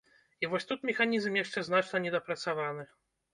І вось тут механізм яшчэ значна недапрацаваны.